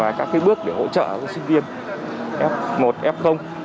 và các bước để hỗ trợ sinh viên f một f